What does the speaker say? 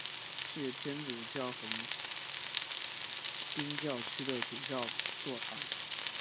是天主教横滨教区的主教座堂。